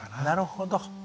なるほど。